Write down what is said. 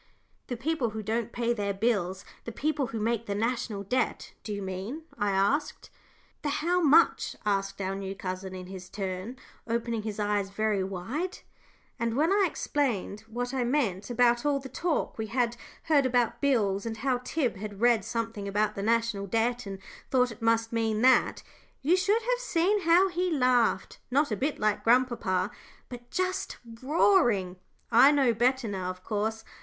"The people who don't pay their bills the people who make the National Debt, do you mean?" I asked. "The how much?" asked our new cousin in his turn, opening his eyes very wide. And when I explained what I meant, about all the talk we had heard about bills, and how Tib had read something about the National Debt, and thought it must mean that, you should have seen how he laughed; not a bit like grandpapa, but just roaring. I know better now, of course.